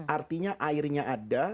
artinya airnya ada